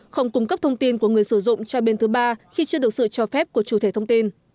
không cung cấp thông tin của người sử dụng cho bên thứ ba khi chưa được sự cho phép của chủ thể thông tin